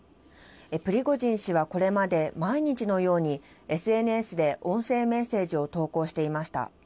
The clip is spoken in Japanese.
プリゴジン氏はこれまで、毎日のようにＳＮＳで音声メッセージを投稿していました。